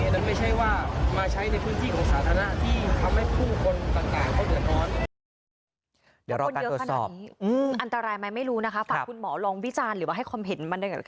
นั้นไม่ใช่ว่ามาใช้ในพื้นที่ของสาธารณะที่ทำให้ผู้คนต่างเขาเดือดร้อน